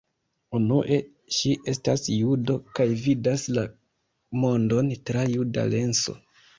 Unue, ŝi estas judo kaj vidas la mondon tra juda lenso.